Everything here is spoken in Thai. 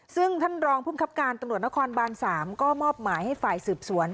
ซึ่งท่านรองค์พุ่มคับการตลนบร๓ก็มอบหมายให้ฝ่ายสืบสวน